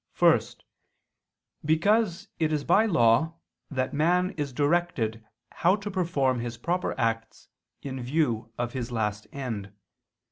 First, because it is by law that man is directed how to perform his proper acts in view of his last end.